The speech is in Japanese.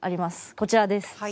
こちらです。